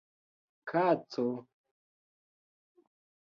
Kaco.